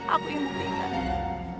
aku ingin mengingat